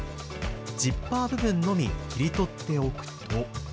ジッパー部分のみ切り取っておくと。